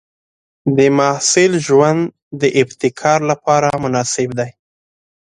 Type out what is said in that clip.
د محصل ژوند د ابتکار لپاره مناسب دی.